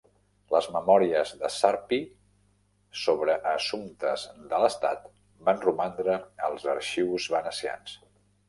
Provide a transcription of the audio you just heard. Les memòries de Sarpi sobre assumptes de l'estat van romandre als arxius venecians.